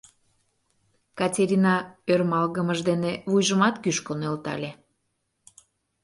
Катерина ӧрмалгымыж дене вуйжымат кӱшкӧ нӧлтале.